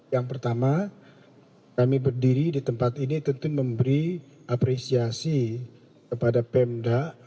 yang pertama kami berdiri di tempat ini tentu memberi apresiasi kepada pemda